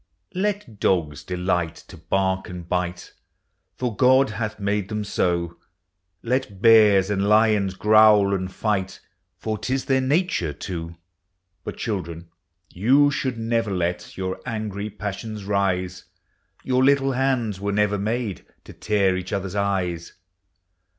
Let dogs delight to bark and bite. For God hath made them so; Let bears and lions growl and fight, For 't is their nature to; But, children, von should never let Your angry passions rise : FOR CHILDREN. 115 Your little hands were never made To tear each other's eyes.